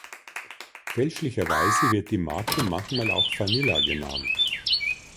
Fälschlicherweise wird die Marke manchmal auch Vanilla genannt.